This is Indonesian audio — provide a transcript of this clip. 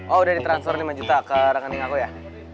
oh udah ditransfer lima juta ke rekening aku ya